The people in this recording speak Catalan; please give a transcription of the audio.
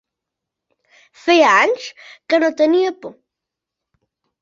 Feia anys que no tenia por.